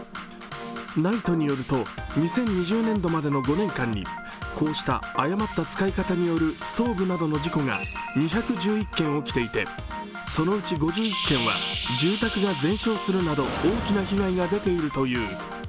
ＮＩＴＥによると２０２０年度までの５年間にこうした誤った使い方によるストーブなどの事故が２１１件起きていて、そのうち５１件は住宅が全焼するなど大きな被害が出ているという。